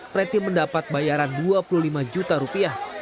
preti mendapat bayaran dua puluh lima juta rupiah